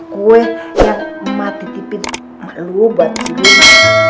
kue yang emak ditipin emak lo buat si romi